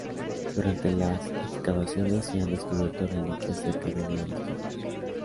Durante las excavaciones se han descubierto reliquias cerca de uno de los templos.